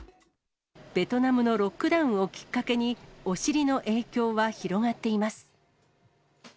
ベトナムのロックダウンをきっかけに、お尻の影響は広がっています。